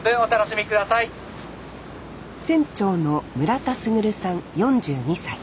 船長の村田優さん４２歳。